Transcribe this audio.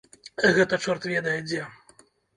Гэта чорт ведае дзе!